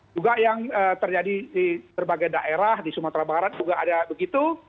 juga yang terjadi di berbagai daerah di sumatera barat juga ada begitu